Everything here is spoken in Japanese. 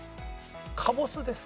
かぼすです。